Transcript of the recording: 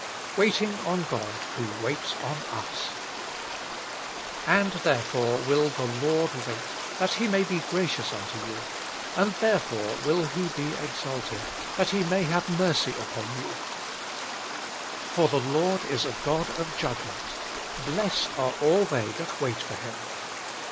WATTING ON GOD : TKnbo waits on us* * And therefore will the Lokd wait, that He may be gracious unto you ; and therefore will He be exalted, that He may have mercy upon you : for the Lord is a God of judgment : blessed are all they that wait fob Him.'